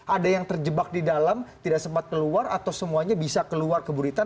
ada yang terjebak di dalam tidak sempat keluar atau semuanya bisa keluar ke buritan